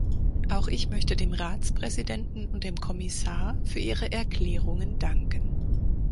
Auch ich möchte dem Ratspräsidenten und dem Kommissar für ihre Erklärungen danken.